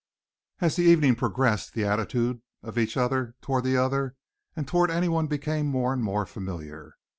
As the evening progressed the attitude of each toward the other and all toward anyone became more and more familiar.